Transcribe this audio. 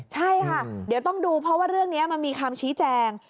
ใช่ค่ะเดี๋ยวต้องดูเพราะว่าเรื่องนี้มันมีคำชี้แจง